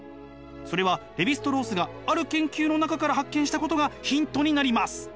それはレヴィ＝ストロースがある研究の中から発見したことがヒントになります。